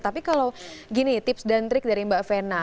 tapi kalau gini tips dan trik dari mbak vena